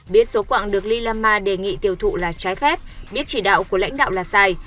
biết số quạng được lilama đề nghị tiêu thụ là trái phép biết chỉ đạo của lãnh đạo là sai